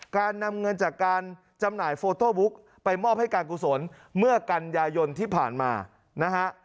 การนำเงินจากการจำหน่ายโฟโต้บุ๊กไปมอบให้การกุศลเมื่อกันยายนที่ผ่านมานะฮะ